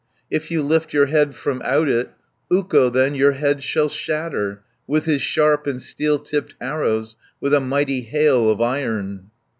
If you lift your head from out it, Ukko then your head shall shatter, With his sharp and steel tipped arrows, With a mighty hail of iron."